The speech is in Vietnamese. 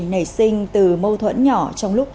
nảy sinh từ mâu thuẫn nhỏ trong lúc